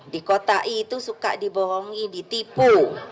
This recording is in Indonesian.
dikotai itu suka dibohongi ditipu